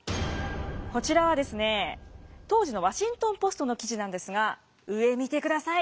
こちらはですね当時のワシントン・ポストの記事なんですが上見てください。